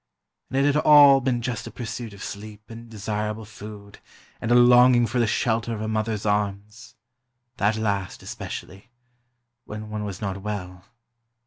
And it had all been just a pursuit of sleep and desirable food, and a longing for the shelter of a mother's arms. That last, especially—when one was not well